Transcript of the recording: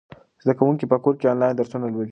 زده کوونکي په کور کې آنلاین درسونه لولي.